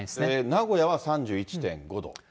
名古屋は３１．５度。